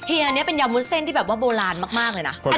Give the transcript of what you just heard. อันนี้เป็นยาวุ้นเส้นที่แบบว่าโบราณมากเลยนะ